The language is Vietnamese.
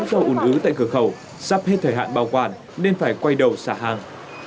sau ủn ứ tại cửa khẩu sắp hết thời hạn bao quản nên phải quay đầu xả hàng